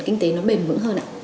kinh tế nó bền vững hơn ạ